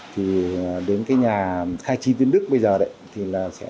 thì đến cái nhà khai trí tuyến đức bây giờ đấy